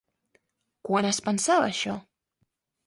Quan es pensava això?